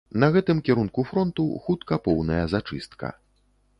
На гэтым кірунку фронту хутка поўная зачыстка.